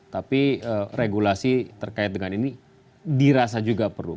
tapi regulasi terkait dengan ini dirasa juga perlu